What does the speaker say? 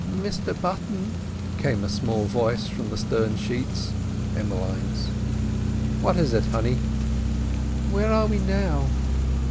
"Mr Button!" came a small voice from the stern sheets (Emmeline's). "What is it, honey?" "Where are we now?"